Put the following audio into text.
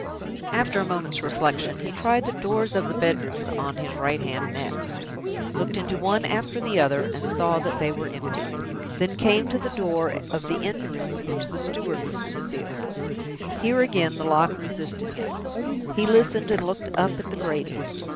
After a moment's reflection, he tried the doors of the bedrooms on his right hand next, looked into one after the other, and saw that they were empty, then came to the door of the end room in which the steward was concealed. Here, again, the lock resisted him. He listened, and looked up at the grating.